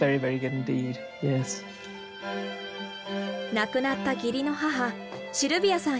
亡くなった義理の母シルビアさん